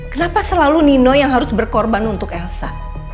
kenapa selalu nino yang harus berkorban untuk elsa